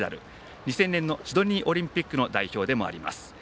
２０００年のシドニーオリンピックの代表でもあります。